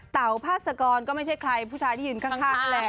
เต่าพาสกรก็ไม่ใช่ใครผู้ชายที่ยืนข้างนั่นแหละ